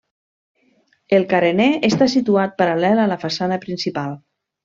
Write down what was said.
El carener està situat paral·lel a la façana principal.